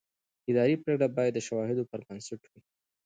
اداري پرېکړه باید د شواهدو پر بنسټ وي.